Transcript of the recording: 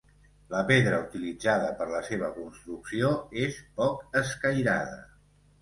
La pedra utilitzada per la seva construcció és poc escairada.